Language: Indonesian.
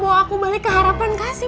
oh aku balik ke harapan kasih